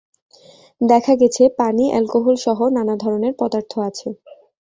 দেখা গেছে, পানি, অ্যালকোহলসহ নানা ধরনের পদার্থ আছে।